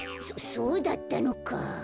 そそうだったのか。